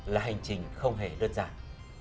là hành trình không hề đơn giản